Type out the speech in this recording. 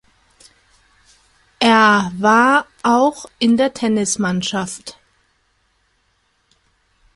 Er war auch in der Tennismannschaft.